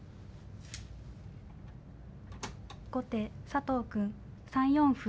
後手佐藤くん３四歩。